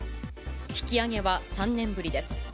引き上げは３年ぶりです。